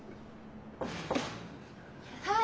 はい！